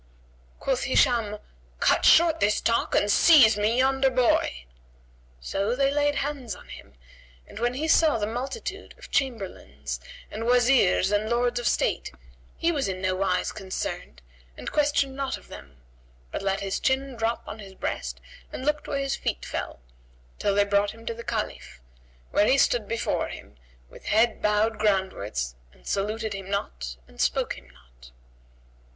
Quoth Hisham, "Cut short this talk and seize me yonder boy." So they laid hands on him; and when he saw the multitude of Chamberlains and Wazirs and Lords of State, he was in nowise concerned and questioned not of them, but let his chin drop on his breast and looked where his feet fell, till they brought him to the Caliph[FN#145] when he stood before him, with head bowed groundwards and saluted him not and spoke him not.